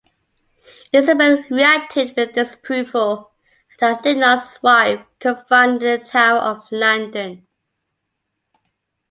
Elizabeth reacted with disapproval and had Lennox's wife confined in the Tower of London.